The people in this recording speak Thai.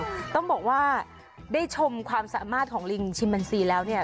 คือต้องบอกว่าได้ชมความสามารถของลิงชิมมันซีแล้วเนี่ย